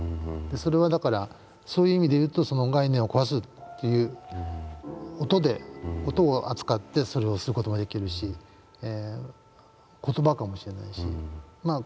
それはだからそういう意味で言うと概念を壊すっていう音を扱ってそれをする事もできるし言葉かもしれないし視覚的なものかもしれない。